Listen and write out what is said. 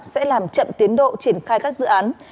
sẽ làm chậm tiến độ triển khai các dự án